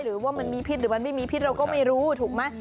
หรือว่ามันมีพิษหรือมันไม่มีพิษเราก็ไม่รู้ถูกไหม